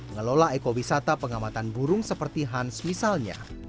ngelola ekowisata pengamatan burung seperti hans misalnya